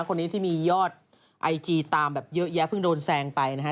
คนนี้ที่มียอดไอจีตามแบบเยอะแยะเพิ่งโดนแซงไปนะฮะ